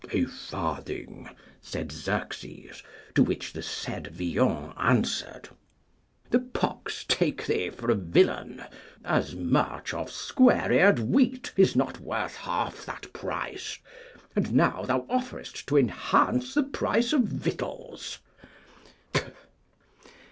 A farthing, said Xerxes. To which the said Villon answered, The pox take thee for a villain! As much of square eared wheat is not worth half that price, and now thou offerest to enhance the price of victuals.